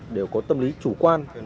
đều có tâm lý chủ quan